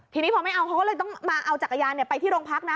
ทีนี้พอไม่เอาเขาก็เลยต้องมาเอาจักรยานไปที่โรงพักนะ